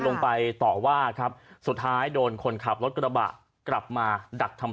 ไปต่อว่าครับสุดท้ายโดนคนขับรถกระบะกลับมาดักทำร้าย